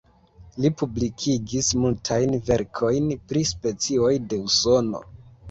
Li publikigis multajn verkojn pri specioj de Usono.